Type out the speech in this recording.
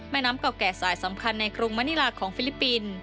น้ำเก่าแก่สายสำคัญในกรุงมณิลาของฟิลิปปินส์